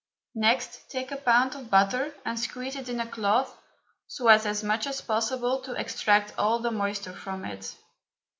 Next take a pound of butter and squeeze it in a cloth so as as much as possible to extract all the moisture from it.